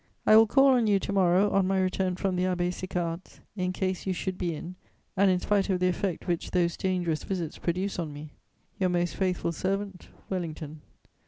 _ "I will call on you to morrow on my return from the Abbé Sicard's, in case you should be in, and in spite of the effect which those dangerous visits produce on me. "Your most faithful servant, "WELLINGTON."